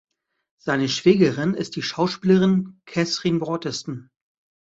Seine Schwägerin ist die Schauspielerin Katherine Waterston.